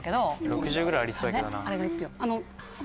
６０ぐらいありそうやけどな。